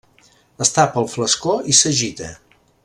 Es tapa el flascó i s'agita.